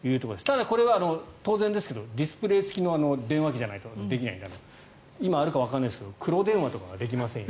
ただ、これは当然ですけどディスプレー付きの電話機じゃないとできないので今、あるかわからないですけど黒電話ではできませんと。